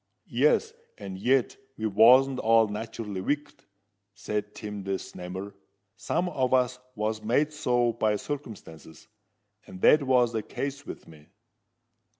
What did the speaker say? "Yes:—and yet we wasn't all nat'rally wicked," said Tim the Snammer. "Some on us was made so by circumstances; and that was the case with me."